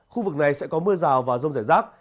khu vực này sẽ có mưa rào và rông rải rác